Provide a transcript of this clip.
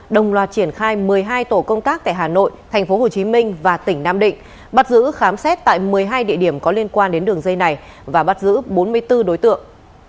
đồng loạt triển khai một mươi hai tổ công tác tại hà nội tp hcm và tỉnh nam định bắt giữ khám xét tại một mươi hai địa điểm có liên quan đến đường dây này và bắt giữ bốn mươi bốn đối tượng